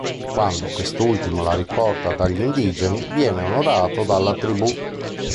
Quando quest'ultimo la riporta dagli indigeni, viene onorato dalla tribù.